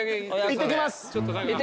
いってきます。